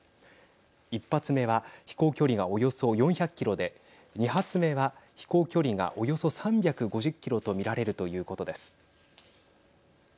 １発目は飛行距離がおよそ４００キロで２発目は飛行距離がおよそ３５０キロと見られるということです。